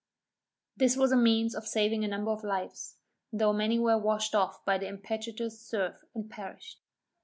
This was a means of saving a number of lives, though many were washed off by the impetuous surf, and perished.